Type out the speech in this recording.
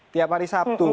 tiap hari sabtu